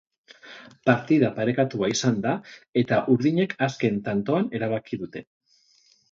Partida parekatua izan da, eta urdinek azken tantoan erabaki dute.